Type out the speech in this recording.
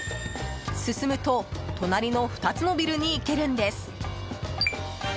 進むと隣の２つのビルに行けるんです。